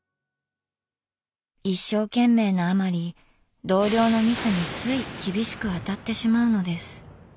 一生懸命なあまり同僚のミスについ厳しく当たってしまうのです。